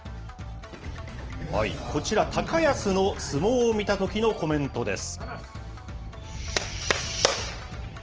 こちら、高安の相撲を見たときのコメントです。